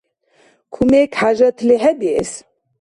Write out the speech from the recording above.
Кумек хӀяжатли хӀебиэс?